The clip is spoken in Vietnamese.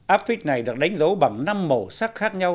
áp phích này được đánh dấu bằng năm màu sắc khác nhau